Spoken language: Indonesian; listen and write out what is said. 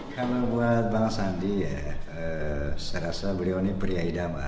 karena buat bang sandi ya saya rasa beliau ini pria idaman